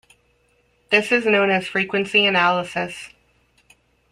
This is known as frequency analysis.